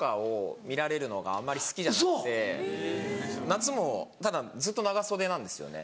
夏もただずっと長袖なんですよね。